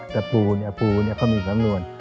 แต่ปูเนี่ยปูเขามีสำนวน